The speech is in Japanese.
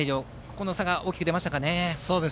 この差が大きく出ましたかね。